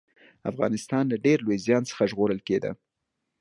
افغانستان له ډېر لوی زيان څخه ژغورل کېده